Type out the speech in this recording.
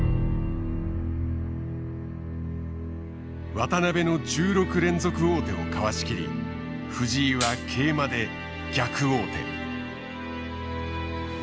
渡辺の１６連続王手をかわしきり藤井は桂馬で逆王手。